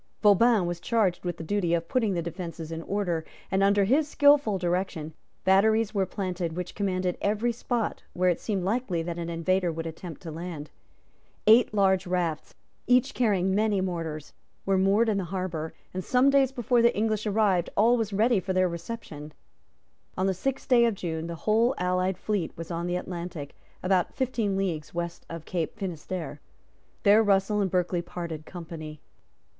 Vauban was charged with the duty of putting the defences in order; and, under his skilful direction, batteries were planted which commanded every spot where it seemed likely that an invader would attempt to land. Eight large rafts, each carrying many mortars, were moored in the harbour, and, some days before the English arrived, all was ready for their reception. On the sixth of June the whole allied fleet was on the Atlantic about fifteen leagues west of Cape Finisterre. There Russell and Berkeley parted company.